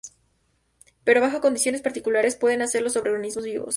Pero bajo condiciones particulares pueden hacerlo sobre organismos vivos.